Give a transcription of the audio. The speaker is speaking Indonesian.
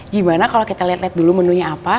gimana kalau kita liat liat dulu menunya apa